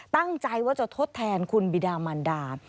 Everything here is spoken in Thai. ตั้งใจว่าจะทดแทนคุณบิดามันดา